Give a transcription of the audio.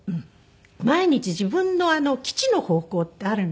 毎日自分の吉の方向ってあるんですね。